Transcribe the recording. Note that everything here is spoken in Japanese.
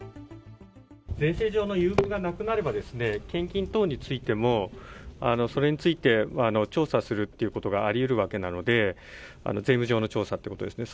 税制中の優遇が亡くなれば、献金等についても、それについて調査するということがありうるわけなので、税務上の調査ということですね。